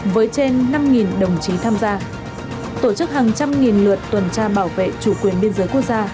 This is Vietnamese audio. với trên năm đồng chí tham gia tổ chức hàng trăm nghìn lượt tuần tra bảo vệ chủ quyền biên giới quốc gia